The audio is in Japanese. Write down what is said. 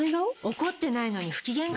怒ってないのに不機嫌顔？